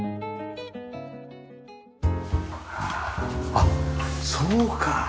あっそうか。